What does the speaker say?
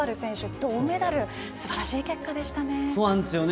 銅メダルすばらしい結果でしたね。